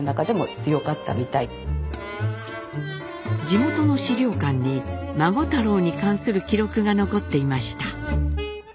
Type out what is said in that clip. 地元の資料館に孫太郎に関する記録が残っていました。